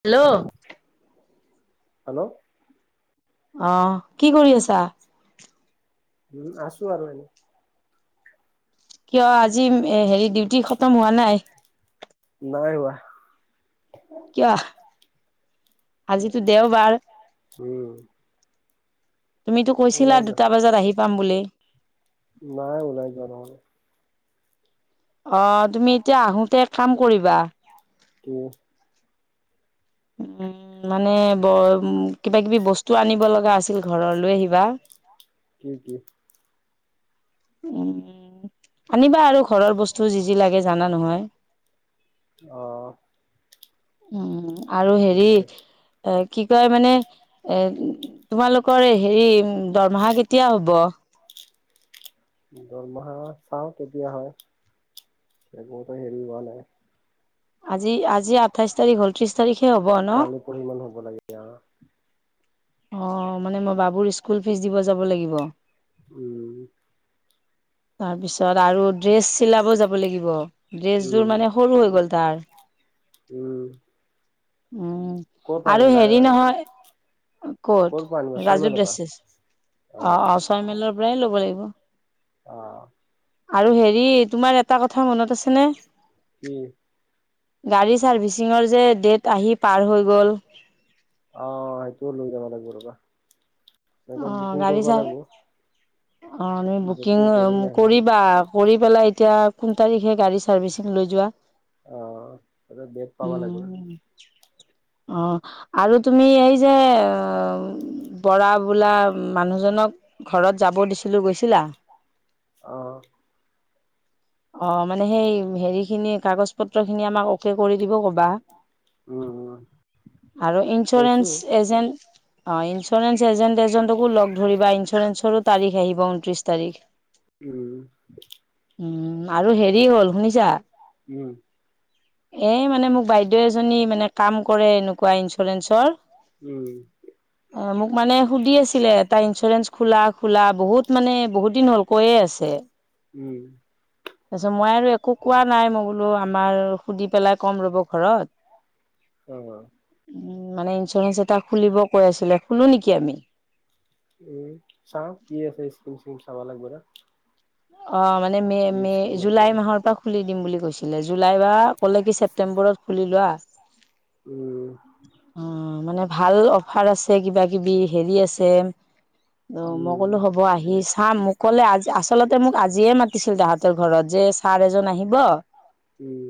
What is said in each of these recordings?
Hello hello আহ কি কৰি আছা উম আছো আৰু এনেই কিয় আজি ম হেৰি ডিউটি খতম হোৱা নাই নাই হোৱা কিয় আজিতো দেওবাৰ। উম তুমিতো কৈছিলা ওলাই দুটা যোৱা বজাত আহি পাম বুলি। নাই ওলাই যোৱা নহলে অঁ, তুমি এতিয়া আহোতে এক কাম কৰিবা? কি? উম মানে ব উম কিবা কিবি বস্তু আনিব লগা আছে আছিল ঘৰৰ লৈ আহিবা। কি কি? উম আনিবা আৰু ঘৰৰ বস্তু যি যি লাগে জানা নহয়? অহ। উম আৰু হেৰি এ কি কয় মানে এ তোমালোকৰ হেৰি দৰমহা কেতিয়া হ'ব? দৰমহা চাওঁ কেতিয়া হয়। এত হেৰি হোৱা নাই। আজি আজি আঠাইশ তাৰিখ হল ত্ৰিশ তাৰিখ কালি পৰিসি মান হ'ব লাগে দিয়া। অঁ, মানে মই বাবুৰ স্কুল ফিজ দিব যাব লাগিব। উম। তাৰপিছত আৰু ড্ৰেছ চিলাব যাব লাগিব উম ড্ৰেছযোৰ মানে সৰু হৈ গ'ল তাৰ। উম। উম ক'ৰ পৰা আৰু আনিবা হেৰি নহয় ক'ৰ ক'ত পৰা আনিবা ৰাজু ছয়মাইলৰ পৰা ড্ৰেছেছ অ অঁ, অঁ চয় মেলৰ পৰাই ল'ব লাগিব। অ। আৰু হেৰি তোমাৰ এটা কথা মনত আছেনে? কি গাড়ী চাৰ্ভিচিঙৰ যে ডেট আহি পাৰ হৈ গ'ল আহ সেইটোও লৈ যাব লাগিব ৰবা এনে বুকিং কৰিব লাগিব অ তুমি বুকিং কৰিবা কৰি পেলাই এতিয়া কোন তাৰিখে গাড়ী চাৰ্ভিচিং লৈ যোৱা আহ তাতে ডেট পাব লাগিব না উম, অ আৰু তুমি এই যে বৰা বোলা মানুহজনক ঘৰত যাব দিছিলো গৈছিলা অহ অ মানে সেই হেৰি খিনি কাগজ পত্ৰ খিনি আমাক অকে কৰি দিব কবা উম উম আৰু কৈছো ইঞ্চুৰেঞ্চ এজেণ্ট অ ইঞ্চুৰেঞ্চ এজেণ্ট এজনকো লগ ধৰিবা ইঞ্চুৰেঞ্চৰো তাৰিখ আহিব ঊনত্ৰিশ তাৰিখ উম উম আৰু হেৰি হ'ল শুনিছা উম। এ মানে মোক বাইদেউ এজনী মানে কাম কৰে এনেকুৱা ইঞ্চুৰেঞ্চৰ উম। অ মোক মানে সুধি আছিলে তাৰ ইঞ্চুৰেঞ্চ খোলা খোলা বহুত মানে বহুত দিন হ'ল কৈয়ে আছে। উম। তাছত মই আৰু একো কোৱা নাই মই বোলো আমাৰ সুধি পেলাই কম ৰ'ব ঘৰত। অ। উ মানে ইঞ্চুৰেঞ্চ এটা খুলিব কৈ আছিলে খুলো নেকি আমি? উম চা কি আছে স্কিম চিম চাব লাগব ৰা অ মানে মে মে জুলাই মাহৰ পৰা খুলি দিম বুলি কৈছিলে। জুলাই বা ক'লে কি ছেপ্টেম্বৰত খুলি লোৱা উম অ মানে ভাল অফাৰ আছে কিবা কিবি হেৰি আছে। অ মই কলো উম হ'ব আহি চাম মোক ক'লে আজি আছ আচলতে মোক আজিয়ে মাতিছিল তাহাঁতৰ ঘৰত যে চাৰ এজন আহিব উম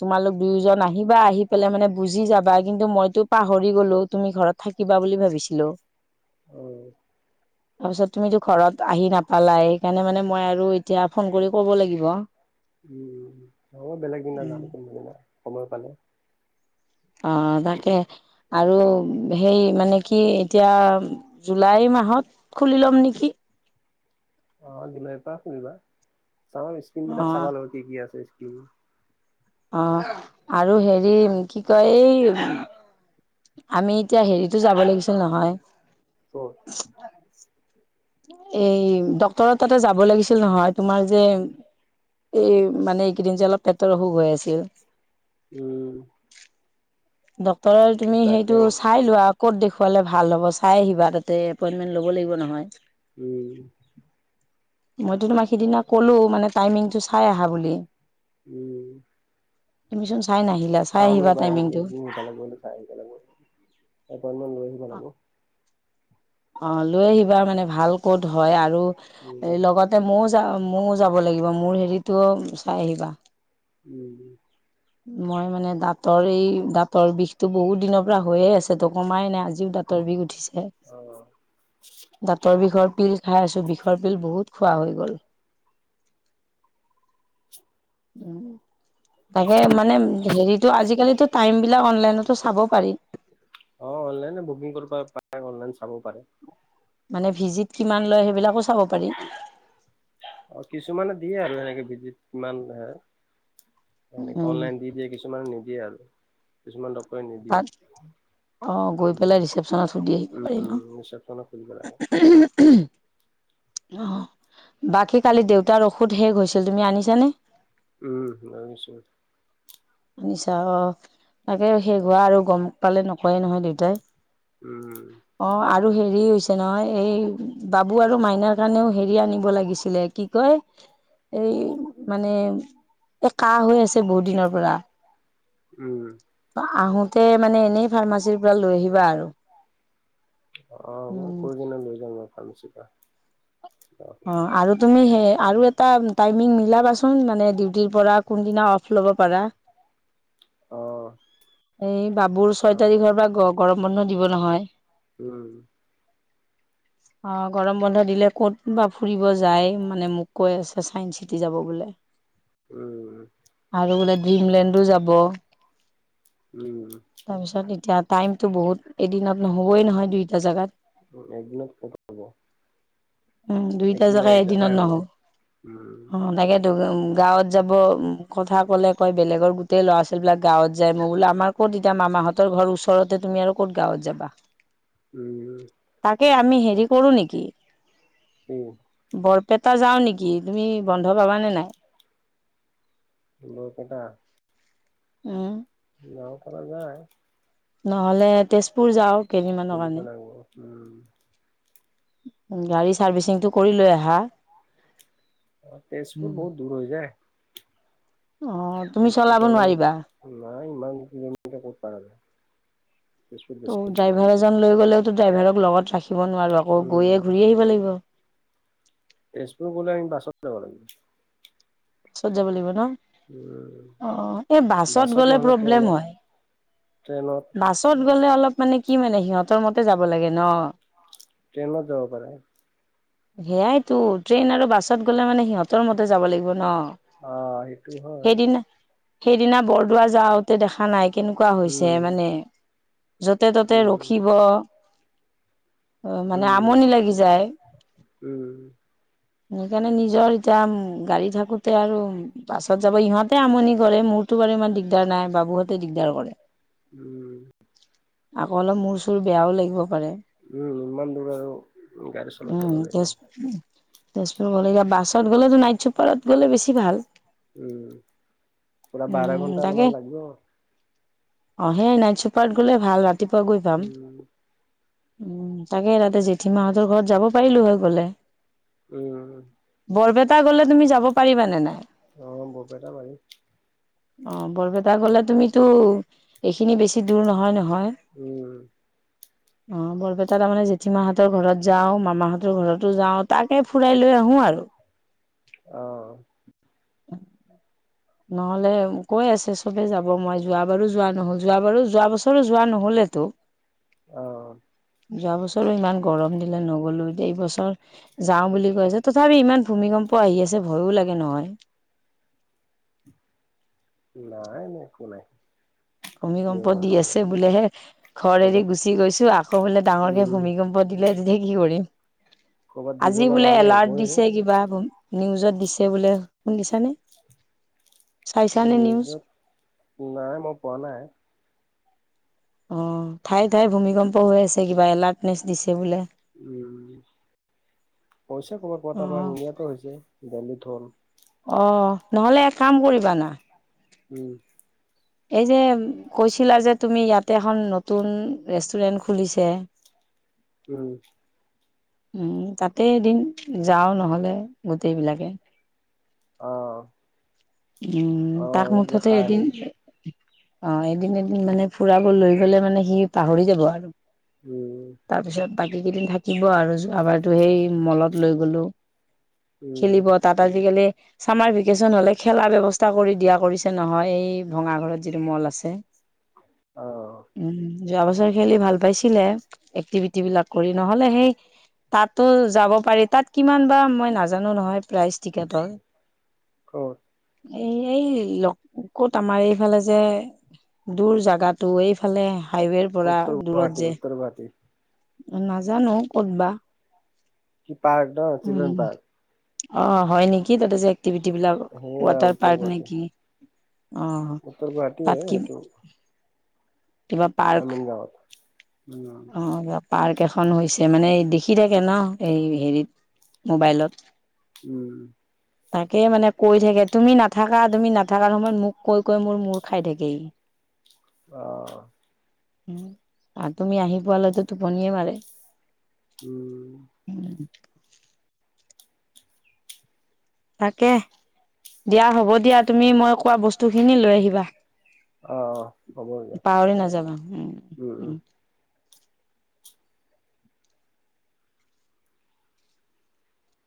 তোমালোক দুয়োজন আহিবা আহি পেলাই মানে বুজি যাবা কিন্তু মইতো পাহৰি গলো তুমি ঘৰত থাকিবা বুলি ভাবিছিলো। অ তাৰপিছত তুমিতো ঘৰত আহি নাপালাই সেইকাৰণে মানে মই আৰু এতিয়া ফোন কৰি ক'ব লাগিব। উম হব বেলেগ দিনা জাম [unintelligible] সময় পালে। অ তাকে। আৰু সেই মানে কি এতিয়া জুলাই মাহত খুলি ল'ম নেকি? [unintelligible] অ বেলেগ এটা শুনিবা, চাবা স্কিন অ বিলাক চাবা লাগব কি কি আছে। [inaudible] অ', আৰু হেৰি কি কয় এই আমি এতিয়া হেৰিটো যাব লাগিছিল নহয়। ক'ত এই ডক্তৰৰ তাতে যাব লাগিছিল নহয়, তোমাৰ যে এই মানে এইকেইদিন যে অলপ পেটৰ অসুখ হৈ আছিল। উম। ডক্টৰে আৰু তুমি তাকে সেইটো চাই লোৱা ক'ত দেখুৱালে ভাল হ'ব চাই আহিবা তাতে এপইণ্টমেণ্ট ল'ব লাগিব নহয়। উম। মইতো তোমাক সিদিনা ক'লো মানে টাইমিং চাই আহা বুলি, উম তুমি চোন চাই নাহিলা, চাই চাম আহিবা ৰ'বা টাইমিংটো। [unintelligible] অ', লৈ আহিবা মানে ভাল ক'ত হয় আৰু লগতে মওঁ [unintelligible] মওঁ যাব লাগিব মোৰ হেৰিটোও চাই আহিবা। উম। মই মানে দাঁতৰ এই দাঁতৰ বিষটো বহুত দিনৰ পৰা হৈয়ে আছে ত' কমাই নাই আজ যি দাঁতৰ বিষ উঠিছে অ দাঁতৰ বিষৰ পিল খাই আছো বিষৰ পিল বহুত খোৱা হৈ গ'ল। তাকে মানে হেৰিটো আজিকালিতো টাইমবিলাক অনলাইনতো চাব পাৰি। অ', অনলাইনত বুকিং কৰবা পাৰে, অনলাইন চাব পাৰে। ভিজিত কিমান লয় সেইবিলাকো। চাব পাৰি অ', কিছুমানে দিয়ে আৰু এনেকে ভিজিত কিমান হয়। উম অনলাইন দি দিয়ে, কিছুমানে নিদিয়ে আৰু কিছুমান ডক্তৰ নিদিয়ে। তাত অ', গৈ পেলাই ৰিচেপশচনত সুধি আহিব পাৰিম ন'। ৰিচেপশ্যনত সুধিব লাগে। অ', বাকী কালি দেউতাৰ ঔষধ শেষ হৈছিল, তুমি আনিছানে? উম্, আনিছোঁ। নিছা অ', তাকে শেষ হোৱা আৰু গম পালে নকয়েই নহয় দেউতাই। উম অ', আৰু হেৰি হৈছে নহয়, এই বাবু আৰু মাইনাৰ কাৰণেও হেৰি আনিব লাগিছিলে, কি কয়? এই মানে, এ' কাহ হৈ আছে বহুত দিনৰ পৰা৷ উম৷ আহোতে মানে এনেই ফাৰ্মাচীৰ পৰা লৈ আহিবা আৰু। অ', মই উম, কৈ কিনে লৈ যাম বাৰু ফাৰ্মাচীৰ পৰা৷ অ', আৰু তুমি সেই আৰু এটা টাইমিং মিলাবাচোন মানে ডিউটিৰ পৰা কোনদিনা অফ ল'ব পাৰা৷ অ', এই বাবুৰ ছয় চাম তাৰিখৰ পৰা গৰম বন্ধ দিব নহয়৷ উম৷ অ', গৰম বন্ধ দিলে ক'ত বা ফুৰিব যায়, মানে মোক কৈ আছে, ছাইন চিটি যাব বোলে৷ উম আৰু বোলে ড্ৰিমলেণ্ডো যাব৷ উম তাৰ পিছত এতিয়া টাইমতো বহুত, এদিনত নহ'বই নহয় দুইটা জোগাত৷ এদিনত ক'ত হ'ব! উম, দুইটা একদিনৰ জেগা এক জাগাই এদিনত হ'ব নহ'ব, উম অ' তাগে গাঁৱত যাব, কথা ক'লে কয় বেলেগৰ গোটেই ল'ৰা ছোৱালীবিলাক গাঁৱত যায়৷ মই বোলো আমাৰ ক তিতা মামাহঁতৰ ঘৰ ওচৰতে তুমি আৰু ক'ত গাঁৱত যাবা? উম৷ এ আমি হেৰি কৰো নেকি? উম বৰপেটা যাওঁ নেকি তুমি বন্ধ পাবানে নাই? বৰপেটা? উম যাব পৰা যায়। নহলে তেজপুৰ যাও কেইদিনমানৰ সুধিব কাৰণে। লাগিব উম গাড়ী চাৰ্ভিচিংটো কৰি লৈ আহা। অ তেজপুৰ বহুত দূৰ হৈ যায়। অ তুমি চলাব তেজপুৰত নোৱাৰিবা মানে নাই ইমান কিলোমিটাৰ ক'ত পাৰা যাব ড্ৰাইভাৰ এজন লৈ গলেওতো ড্ৰাইভাৰক লগত ৰাখিব নোৱাৰো আকৌ গৈয়ে উম ঘূৰি আহিব লাগিব। তেজপুৰ গলে আমি বাচাত যাব লাগিব। ক'ত যাব লাগিব ন, উম অ অ এ বাছত গলে নহ'লে প্ৰব্লেম ট্ৰেইনত হয় ট্ৰেইনত বাছত গ'লে অলপ মানে কি মানে সিহঁতৰ মতে যাব লাগে ন ট্ৰেইনত যাব পাৰে সেয়াইতো ট্ৰেইন আৰু বাছত গ'লে মানে সিহঁতৰ মতে যাব লাগিব ন অ সেইটো হয় সেইদিনা সেইদিনা বৰদোৱা যাওতে দেখা নাই কেনেকুৱা হৈছে উম মানে য'তে ত'তে উম ৰখিব অ মানে উম আমনি লাগি যায় উম সেইকাৰণে নিজৰ যাম গাড়ী থাকো তে আৰু পাছত যাব ইহঁতে আমনি কৰে মোৰতো বাৰু ইমান দিগ দিগদাৰ নাই বাবুহঁতে দিগদাৰ কৰে উম আকৌ অলপ মোৰ চোৰ বেয়াও লাগিব পাৰে উম ইমান দূৰ আৰু গাড়ী চলাব উম নোৱাৰি তেজ তেজপুৰ গলে এতিয়া বাছত গ'লেতো নাইট চুপাৰত গ'লে বেছি ভাল উম পুৰা বাৰ উম ঘন্টা তাকে মান লাগিব অ সেই নাইট চুপাৰত গলে ভাল, ৰাতিপুৱা গৈ পাম। উম উ তাকে তাতে জেঠী মাহঁতৰ ঘৰত, যাব পাৰিলো হৈ গলে। উম। বৰপেটা গ'লে তুমি যাব পাৰিবানে নাই? অ বৰপেটা পাৰি। অ বৰপেটা গলে তুমিতো এইখিনি বেছি দূৰ নহয় নহয়। উম হয়। অ বৰপেটা তাৰ মানে জেঠী মাহঁতৰ ঘৰত যাও মামাহঁতৰ ঘৰতো যাও তাকে ফুৰাই লৈ। আহো আৰু, অহ। নহলে কৈ আছে চবে যাব। হব, মই যোৱা বাৰু যোৱা নহল যোৱা বাৰু যোৱা বছৰো যোৱা নহলেতো। অহ। যোৱা বছৰো ইমান গৰম দিলে নগলো। এতিয়া এইবছৰ যাও বুলি কৈছে, তথাপি ইমান ভূমিকম্প, প আহি আছে ভয়ো লাগে নহয়। নাই নাই, একো নাই। কিয় ভূমিকম্প ভয় দি খাব আছে লাগে বোলেহে, ঘৰ এৰি কৰ'বাত গুচি গৈছো। আকৌ বোলে ডাঙৰকে উম ভূমিকম্প দিলে যে থাক। কি কৰিম, কৰ'বাত দিব আজি লগা বোলে হ'লে এলাৰ্ট হ'বই দিছে কিবা। নিউজত দিছে বোলে শুনিছানে? চাইছানে নিউজ নিউজত নাই মই পোৱা নাই। অ ঠায়ে ঠায়ে ভূমিকম্প হৈ আছে। কিবা এলাৰ্টনেচ দিছে বোলে। উম পইচা কমাত কোৱা ত আমাৰ অ', ইণ্ডিয়াতো হৈছে দেল্লীত হ'ল। অ নহ'লে এক কাম কৰিবা না। উম। এই যে কৈছিলা যে তুমি, ইয়াতে এখন নতুন ৰেষ্টুৰেন্ট খুলিছে। [inaudible] উম। উম, তাতে এদিন যাওঁ নহ'লে গোটেইবিলাকে। অ। উম, অ তাক কিবা মুঠতে খাই এদিন আহিল অ এদিন, এদিন মানে ফুৰাব লৈ গলে মানে, সি পাহৰি যাব আৰু। উম তাৰপিছত বাকী কেইদিন থাকিব আৰু, যোৱা বাৰতো সেই মলত লৈ গলো। উম খেলিব তাত আজিকালি চামাৰ ভেকেচন হলে খেলা ব্যৱস্থা কৰি দিয়া কৰিছে নহয়, এই ভঙাঘৰত যিটো মল আছে। অ। উম যোৱা বছৰ খেলি ভাল পাইছিলে, এক্টিভিটি বিলাক কৰি, নহলে সেই তাতো যাব পাৰি, তাত কিমান বা মই নাজানো নহয়। প্ৰাইজ টিকেটৰ অ এই ল ক'ত আমাৰ এইফালে যে, দূৰ জাগাত টো এইফালে হাইৱেৰ পৰা উত্তৰ দূৰত গুৱাহাটী যে। উত্তৰ গুৱাহাটী নাজানো ক'ত বা। কি পাৰ্ক ন, উম চিলড্ৰেন পাৰ্ক? অ হয় নেকি, তাতে যে এক্টিভিট বিলাক সেয়া ৱাটাৰ উত্তৰ পাৰ্ক গুৱাহাটী নিকি। অ উত্তৰ গুৱাহাটীয়ে তাত কি সেইটো কিবা পাৰ্ক আমিন গাঁৱত। উম অ পাৰ্ক এখন হৈছে মানে দেখি থাকে ন এই হেৰিত মোবাইলত। উম। তাকে মানে কৈ থাকে তুমি নাথাকা তুমি নাথাকাৰ সময়ত মোক কৈ কৈ মোৰ মূৰ খাই থাকে ই। [inaudible] অহ। উ আৰু তুমি আহি পোৱালৈতো টোপনিয়ে মাৰে। উম। [unintelligible] তাকে দিয়া হ'ব দিয়া তুমি মই কোৱা বস্তু খিনি লৈ আহিবা। অ হ'ব দিয়া পাৱৰি নাযাবা, উম উম।